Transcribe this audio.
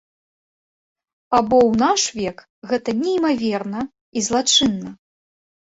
А бо ў наш век гэта неймаверна і злачынна.